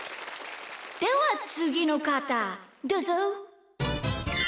ではつぎのかたどうぞ。